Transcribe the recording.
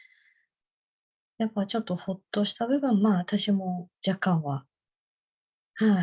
やっぱちょっとほっとした部分も、私も若干は、はい。